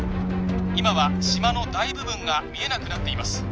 今は島の大部分が見えなくなっています